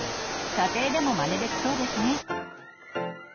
家庭でもマネできそうですね。